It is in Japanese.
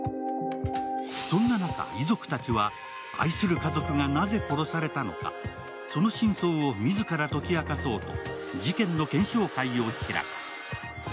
そんな中、遺族たちは愛する家族がなぜ殺されたのかその真相を自ら解き明かそうと事件の検証会を開く。